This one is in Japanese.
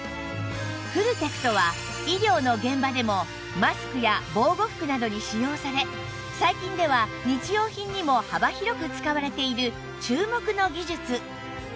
フルテクトは医療の現場でもマスクや防護服などに使用され最近では日用品にも幅広く使われている注目の技術